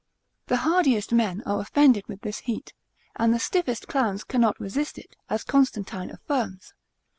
The hardiest men are offended with this heat, and stiffest clowns cannot resist it, as Constantine affirms, Agricult.